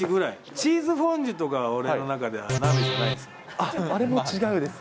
チーズフォンデュとか、俺の中では鍋じゃないですよね。